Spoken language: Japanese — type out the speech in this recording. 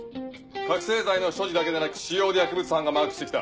覚醒剤の所持だけでなく使用で薬物班がマークして来た。